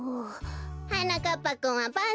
はなかっぱくんはばん